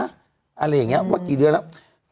อะไรอย่างนี้ว่ากี่เดือนแล้ว